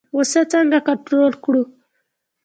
غوسه څنګه کنټرول کړو؟